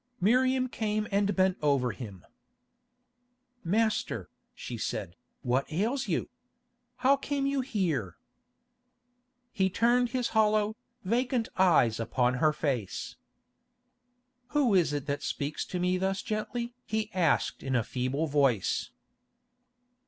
Miriam came and bent over him. "Master," she said, "what ails you? How came you here?" He turned his hollow, vacant eyes upon her face. "Who is it that speaks to me thus gently?" he asked in a feeble voice.